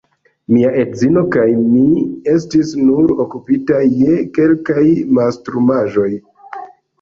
Mia edzino kaj mi estis nur okupitaj je kelkaj mastrumaĵoj.